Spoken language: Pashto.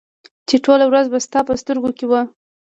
چې ټوله ورځ به ستا په سترګو کې وه